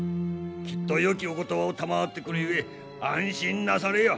きっとよきお言葉を賜ってくるゆえ安心なされよ。